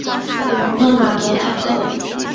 勒马德唐克。